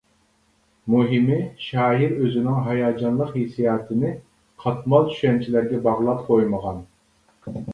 مۇھىمى شائىر ئۆزىنىڭ ھاياجانلىق ھېسسىياتىنى قاتمال چۈشەنچىلەرگە باغلاپ قويمىغان.